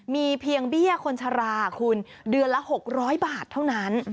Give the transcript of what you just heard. มีเพียงเบี้ยคนชราคุณเดือนละ๖๐๐บาทเท่านั้น